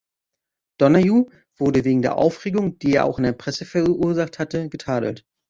Donahue wurde wegen der Aufregung, die er auch in der Presse verursacht hatte, getadelt.